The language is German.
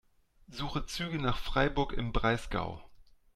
Suche Züge nach Freiburg im Breisgau.